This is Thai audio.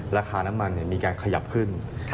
ราคาน้ำมันมีการขยับขึ้น